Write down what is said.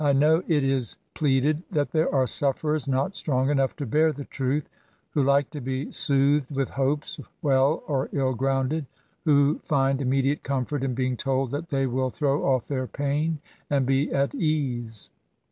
I know it is pleaded that there are sufferers not strong enough to hear the truth — who like to be soothed with hopes, well or ill grounded; who find immediate comfort in being told that they will tl^^ow off their pain and be at e^se.